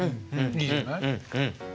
いいんじゃない？